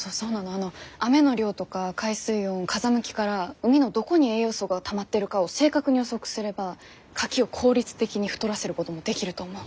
あの雨の量とか海水温風向きから海のどこに栄養素がたまってるかを正確に予測すればカキを効率的に太らせることもできると思う。